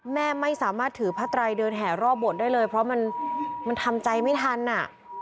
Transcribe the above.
แม่ไม่สามารถถือพระไตรเดินแห่รอบบทได้เลยเพราะมันทำใจไม่ทันอ่ะ